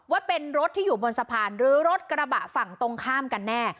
ว่าเป็นรถที่อยู่บนสะพานหรือรถกระบะฝั่งตรงข้ามกันแน่